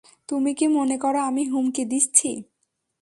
তুমি কি মনে করো আমি হুমকি দিচ্ছি?